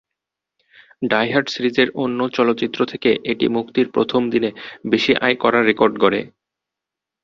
Die Hard সিরিজের অন্য চলচ্চিত্র থেকে এটি মুক্তির প্রথম দিনে বেশি আয় করার রেকর্ড গড়ে।